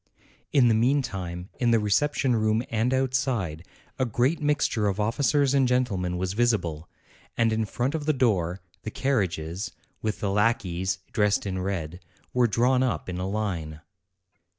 In the meantime, in the reception room and outside, a great mixture of officers and gentlemen was visible, and in front of the door, the carriages, with the lackeys dressed in red, were drawn up in a line.